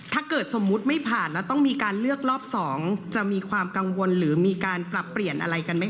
ถ้าเกิดสมมุติไม่ผ่านแล้วต้องมีการเลือกรอบ๒จะมีความกังวลหรือมีการปรับเปลี่ยนอะไรกันไหมค